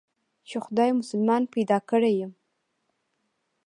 چې خداى مسلمان پيدا کړى يم.